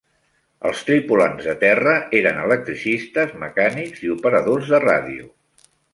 Els tripulants de terra eren electricistes, mecànics i operadors de ràdio.